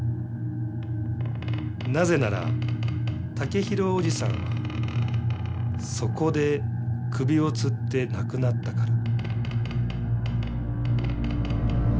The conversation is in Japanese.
なぜならタケヒロおじさんはそこで首をつって亡くなったから。